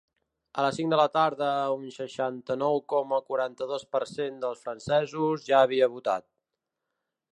A les cinc de la tarda, un seixanta-nou coma quaranta-dos per cent dels francesos ja havia votat.